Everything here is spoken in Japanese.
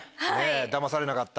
だまされなかった。